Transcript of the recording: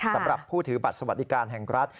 สำหรับผู้ถือบัตรสวัสดิการแห่งรัฐ